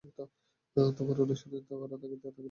তোমার অন্বেষণ করার তাগিদ থাকতে হবে।